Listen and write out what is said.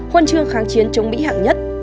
huân chương kháng chiến chống mỹ hạng nhất